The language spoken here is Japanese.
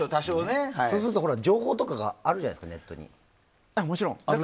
そうすると情報とかがあるじゃないですか、ネットに。